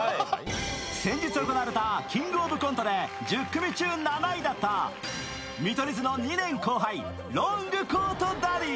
先日行われた「キングオブコント」で１０組中７位だった見取り図の２年後輩、ロングコートダディ。